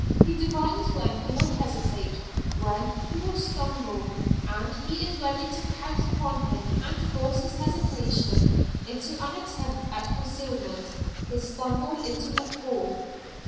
He divines when he will hesitate, when he will stumble, and he is ready to pounce upon him and force his hesitation into an attempt at concealment, his stumble into a fall.